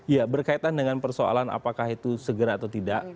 ya berkaitan dengan persoalan apakah itu segera atau tidak